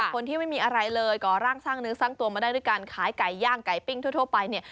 คนที่ไม่มีอะไรเลยก่อร่างสร้างเนื้อสร้างตัวมาได้ด้วยการขายไก่ย่างไก่ปิ้งทั่วไปเนี่ย